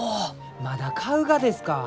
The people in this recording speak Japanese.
まだ買うがですか？